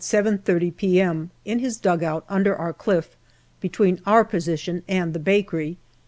30 p.m. in his dugout under our cliff, between our position and the bakery.